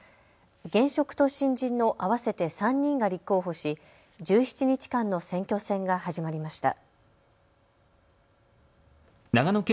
現職と新人の合わせて３人が立候補し、１７日間の選挙戦が始まりました。